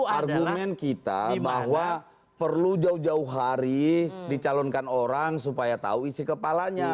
argumen kita bahwa perlu jauh jauh hari dicalonkan orang supaya tahu isi kepalanya